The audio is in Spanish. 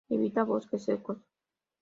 Evita bosques secos.